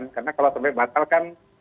karena kalau terlalu banyak batal kan